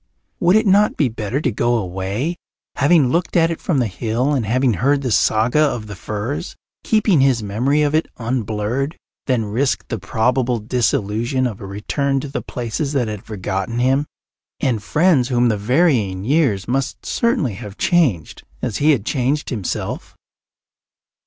Would it not be better to go away, having looked at it from the hill and having heard the saga of the firs, keeping his memory of it unblurred, than risk the probable disillusion of a return to the places that had forgotten him and friends whom the varying years must certainly have changed as he had changed himself?